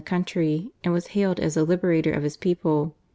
the country, and was hailed as the " Liberator" of his people.